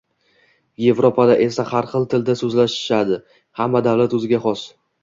Yevropada esa har xil tilda soʻzlashishadi, hamma davlat oʻziga xos.